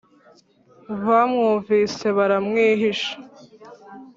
Bamwumvise baramwihisha.